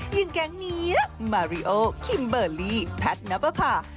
ยังแกงเนี๊ยะมาริโอคิมเบอร์ลีแพทนับประผ่า